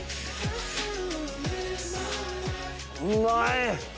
うまい！